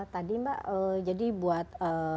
tadi mbak jadi buat